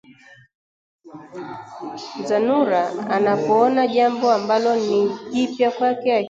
Zanura anapoona jambo ambalo ni jipya kwake akiwa